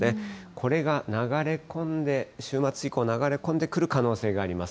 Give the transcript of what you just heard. これが流れ込んで、週末以降、流れ込んでくる可能性があります。